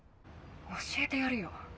教えてやるよ。